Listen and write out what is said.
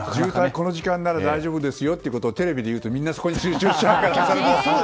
この時間なら大丈夫ですよとテレビで言うとみんなそこに集中しちゃうから。